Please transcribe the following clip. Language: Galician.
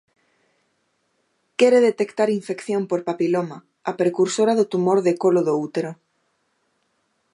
Quere detectar infección por papiloma, a precursora do tumor de colo do útero.